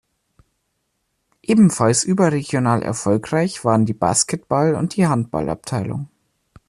Ebenfalls überregional erfolgreich waren die Basketball- und die Handballabteilung.